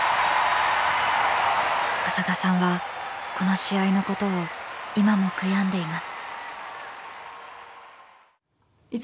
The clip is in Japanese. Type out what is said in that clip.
浅田さんはこの試合のことを今も悔やんでいます。